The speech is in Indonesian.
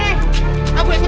eh kabur deh yuk